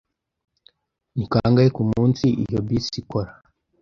Ni kangahe kumunsi iyo bisi ikora?